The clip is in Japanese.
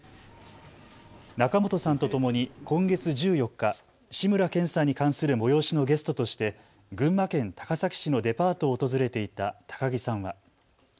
仲本さんとともに今月１４日、志村けんさんに関する催しのゲストとして群馬県高崎市のデパートを訪れていた高木さんは。